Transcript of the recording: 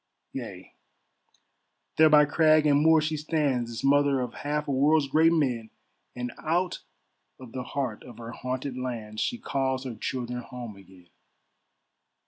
Yea, there by crag and moor she stands, This mother of half a world's great men, And out of the heart of her haunted lands She calls her children home again.